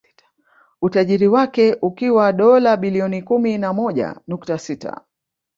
Utajiri wake ukiwa dola bilioni kumi na moja nukta sita